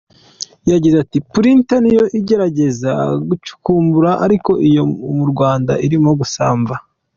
Yagize ati “Print niyo igerageza gucukumbura ariko iyo mu Rwanda irimo gusamba”.